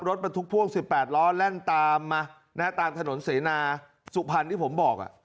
รถบรรทุกพ่วง๑๘ล้อแล่นตามมานะฮะตามถนนเสนาสุพรรณที่ผมบอก